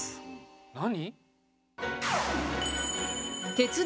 何？